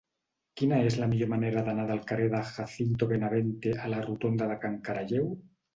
Quina és la millor manera d'anar del carrer de Jacinto Benavente a la rotonda de Can Caralleu?